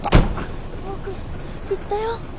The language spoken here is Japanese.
僕言ったよ。